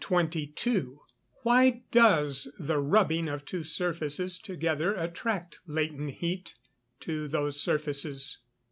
_Why does the rubbing of two surfaces together attract latent heat to those surfaces?